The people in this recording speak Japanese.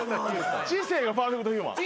知性がパーフェクトヒューマン？